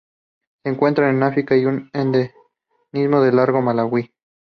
Se encuentran en África, un endemismo del lago Malawi.